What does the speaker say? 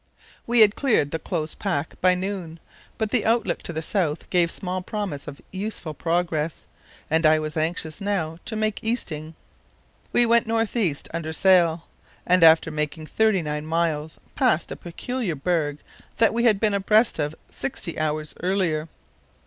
We had cleared the close pack by noon, but the outlook to the south gave small promise of useful progress, and I was anxious now to make easting. We went north east under sail, and after making thirty nine miles passed a peculiar berg that we had been abreast of sixty hours earlier.